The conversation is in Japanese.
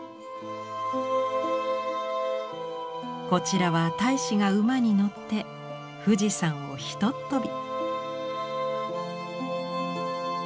こちらは太子が馬に乗って富士山をひとっ飛び！